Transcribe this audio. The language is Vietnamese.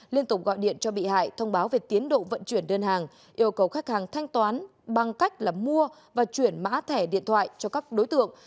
liên tục gọi điện cho bị hại thông báo về tiến độ vận chuyển đơn hàng yêu cầu khách hàng thanh toán bằng cách là mua và chuyển mã thẻ điện thoại cho các đối tượng